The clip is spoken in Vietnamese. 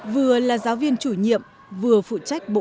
vừa là giáo viên chủ nhiệm vừa phụ trách bộ